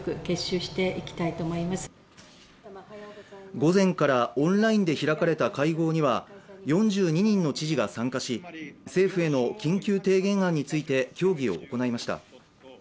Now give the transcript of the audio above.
午前からオンラインで開かれた会合には４２人の知事が参加し政府への緊急提言案について協議を行いました。